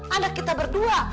anak kita berdua